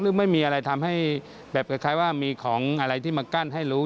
หรือไม่มีอะไรทำให้แบบคล้ายว่ามีของอะไรที่มากั้นให้รู้